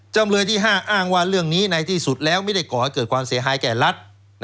จำเลยที่๕อ้างว่าเรื่องนี้ในที่สุดแล้วไม่ได้ก่อให้เกิดความเสียหายแก่รัฐ